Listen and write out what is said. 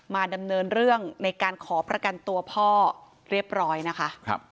ดำเนินเรื่องในการขอประกันตัวพ่อเรียบร้อยนะคะ